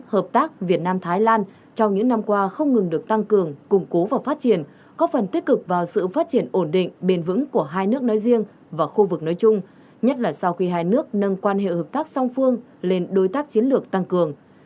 hợp tác việt nam thái lan trong những năm qua không ngừng được tăng cường củng cố và phát triển có phần tích cực vào sự phát triển ổn định bền vững của hai nước nói riêng và khu vực nói chung nhất là sau khi hai nước nâng quan hệ hợp tác song phương lên đối tác chiến lược tăng cường